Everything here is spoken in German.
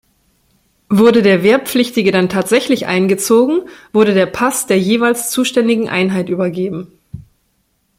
Wurde der Wehrpflichtige dann tatsächlich eingezogen, wurde der Pass der jeweils zuständigen Einheit übergeben.